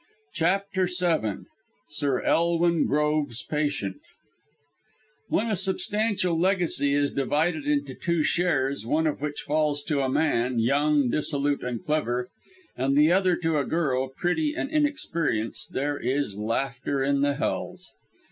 CHAPTER VII SIR ELWIN GROVES' PATIENT When a substantial legacy is divided into two shares, one of which falls to a man, young, dissolute and clever, and the other to a girl, pretty and inexperienced, there is laughter in the hells.